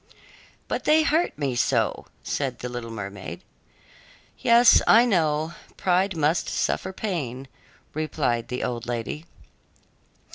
"But they hurt me so," said the little mermaid. "Yes, I know; pride must suffer pain," replied the old lady.